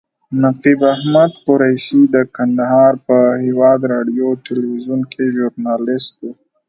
نقیب احمد قریشي د کندهار په هیواد راډیو تلویزیون کې ژورنالیست و.